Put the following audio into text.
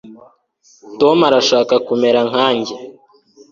tom arashaka kumera nkanjye